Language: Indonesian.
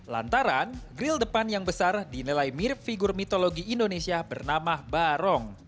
lantaran grill depan yang besar dinilai mirip figur mitologi indonesia bernama barong